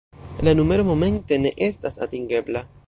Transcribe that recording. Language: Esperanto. La numero momente ne estas atingebla...